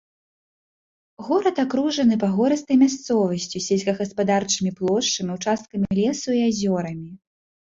Горад акружаны пагорыстай мясцовасцю з сельскагаспадарчымі плошчамі, участкамі лесу і азёрамі.